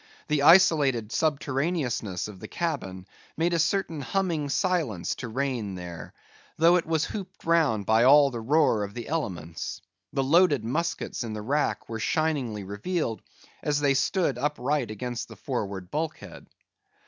The isolated subterraneousness of the cabin made a certain humming silence to reign there, though it was hooped round by all the roar of the elements. The loaded muskets in the rack were shiningly revealed, as they stood upright against the forward bulkhead.